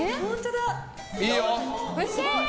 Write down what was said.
いいよ！